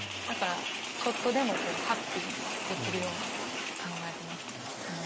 だからちょっとでもハッピーにできるように考えてます。